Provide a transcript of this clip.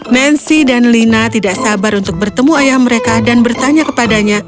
nancy dan lina tidak sabar untuk bertemu ayah mereka dan bertanya kepadanya